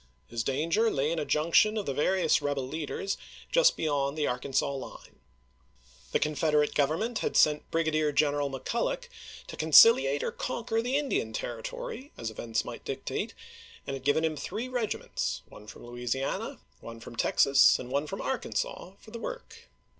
His danger lay in a junction of the various rebel leaders just beyond the Arkansas line. The Confederate Gov ernment had sent Brigadier G eneral McCulloch to conciliate or conquer the Indian Territory as events might dictate, and had given him three regiments — one from Louisiana, one from Texas, and one from Arkansas — for the work.